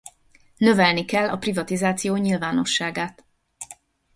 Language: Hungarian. Növelni kell a privatizáció nyilvánosságát.